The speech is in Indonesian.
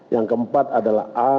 yang keempat adalah a